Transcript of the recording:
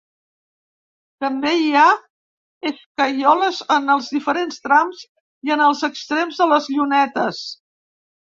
També hi ha escaioles en els diferents trams i en els extrems de les llunetes.